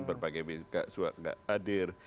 berbagai bkp adir